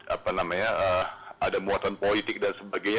apa namanya ada muatan politik dan sebagainya